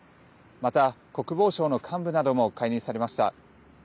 また、国防省の幹部なども解任されました。